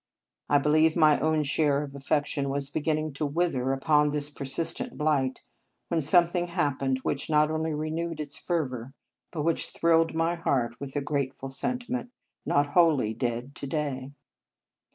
I believe my own share of affection was beginning to wither under this persistent blight, when something happened which not only renewed its fervour, but which 13 In Our Convent Days thrilled my heart with a grateful sen timent, not wholly dead to day.